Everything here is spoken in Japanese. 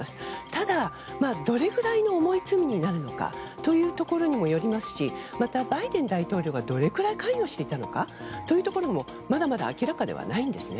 ただ、どれぐらいの重い罪になるのかというところにもよりますしまたバイデン大統領がどれくらい関与していたのかというところもまだまだ明らかではないんですね。